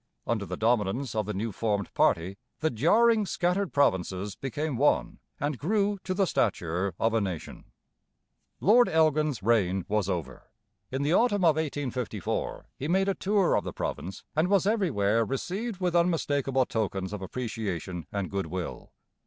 Under the dominance of the new formed party the jarring scattered provinces became one and grew to the stature of a nation. Lord Elgin's reign was over. In the autumn of 1854 he made a tour of the province and was everywhere received with unmistakable tokens of appreciation and goodwill.